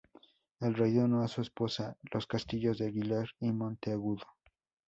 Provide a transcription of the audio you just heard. El rey donó a su esposa los castillos de Aguilar y Monteagudo.